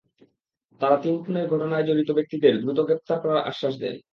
তাঁরা তিন খুনের ঘটনায় জড়িত ব্যক্তিদের দ্রুত গ্রেপ্তার করার আশ্বাস দেন।